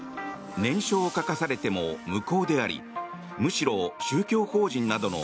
念書を書かされても無効でありむしろ、宗教法人などの